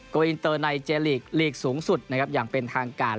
โกอินเตอร์ในเจลีกสูงสุดอย่างเป็นทางการ